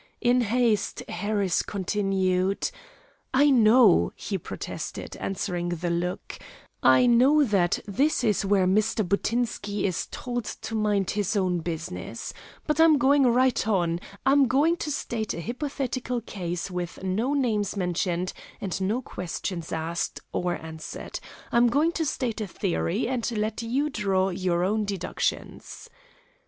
In haste, Harris continued: "I know," he protested, answering the look, "I know that this is where Mr. Buttinsky is told to mind his business. But I'm going right on. I'm going to state a hypothetical case with no names mentioned and no questions asked, or answered. I'm going to state a theory, and let you draw your own deductions."